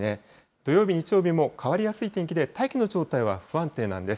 土曜日、日曜日も変わりやすい天気で、大気の状態は不安定なんです。